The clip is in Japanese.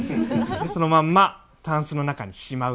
そのままタンスの中にしまう。